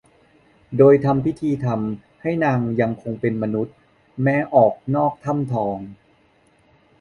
โดยทำพิธีทำให้นางยังคงเป็มมนุษย์แม้ออกนอกถ้ำทอง